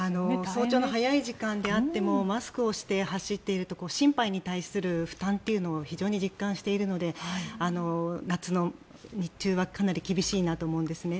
早朝の早い時間であってもマスクをして走っていると心肺に対する負担というのを非常に実感しているので夏の日中はかなり厳しいなと思うんですね。